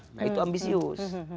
nah itu ambisius